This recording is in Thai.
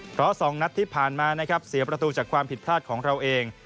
เพราะ๒นัดที่ผ่านมานะครับเสียประตูจากความผิดพลาดของเราเอง